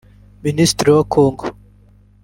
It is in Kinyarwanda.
Minisitiri wa Congo